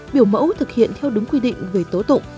biểu mẫu thực hiện theo đúng quy định về tố tụng